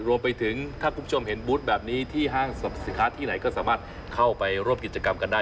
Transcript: รวมไปถึงถ้าคุณผู้ชมเห็นบูธแบบนี้ที่ห้างสรรพสินค้าที่ไหนก็สามารถเข้าไปร่วมกิจกรรมกันได้